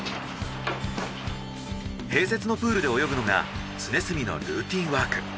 併設のプールで泳ぐのが常住のルーティンワーク。